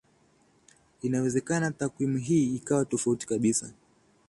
inawezekana takwimu hii ikawa tofauti kabisa